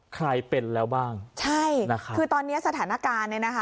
ใครเป็นแล้วบ้างใช่นะคะคือตอนเนี้ยสถานการณ์เนี่ยนะคะ